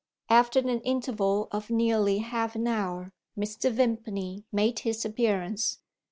After an interval of nearly half an hour, Mr. Vimpany made his appearance.